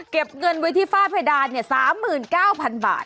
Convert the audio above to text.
เก็บเงินไว้ที่ฝ้าเพดาน๓๙๐๐บาท